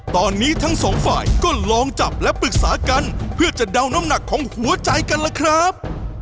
ตอนนี้ทั้งสองฝ่ายก็ลองจับและปรึกษากันเพื่อจะเดาน้ำหนักของหัวใจกันล่ะครับ